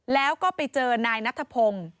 แล้วก็ไปเจอนายนัทพงศ์